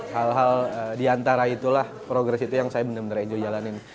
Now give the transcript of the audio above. hal hal di antara itulah progress itu yang saya benar benar enjoy jalanin